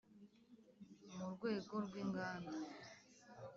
Mu rwego rw inganda